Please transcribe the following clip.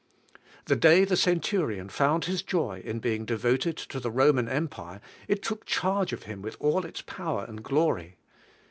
The day the cen turion found his joy in being devoted to the Roman Empire, it took charge of him with all its power and glory.